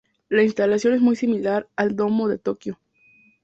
La instalación es muy similar al Domo de Tokio.